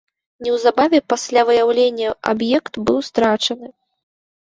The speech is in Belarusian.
Неўзабаве пасля выяўлення аб'ект быў страчаны.